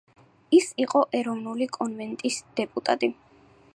ის იყო ეროვნული კონვენტის დეპუტატი.